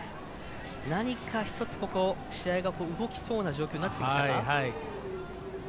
何か１つ試合が動きそうな状況になってきましたか？